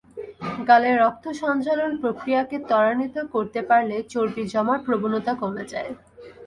গালে রক্ত সঞ্চালন-প্রক্রিয়াকে ত্বরান্বিত করতে পারলে চর্বি জমার প্রবণতা কমে যায়।